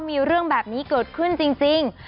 มีเรื่องแบบนี้เกิดขึ้นจริง